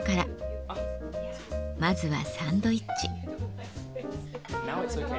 まずはサンドイッチ。